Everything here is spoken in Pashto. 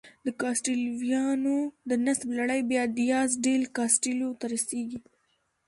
د کاسټیلویانو د نسب لړۍ بیا دیاز ډیل کاسټیلو ته رسېږي.